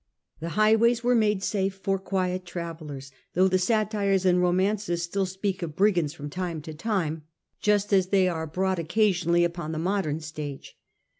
The highways were made safe for quiet travellers, though the satires and romances still speak of brigands from time to time, just as they are brought occasionally upon the modem stage.